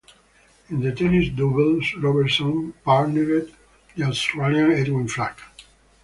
In the tennis doubles, Robertson partnered the Australian Edwin Flack.